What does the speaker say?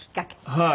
はい。